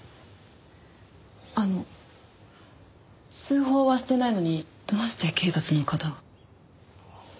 あの通報はしていないのにどうして警察の方が？